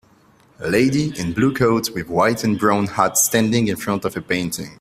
Lady in blue coat with white and brown hat standing in front of a painting.